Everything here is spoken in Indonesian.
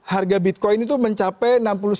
harga bitcoin itu mencapai